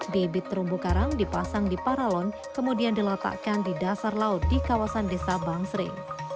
bibit terumbu karang dipasang di paralon kemudian diletakkan di dasar laut di kawasan desa bangsering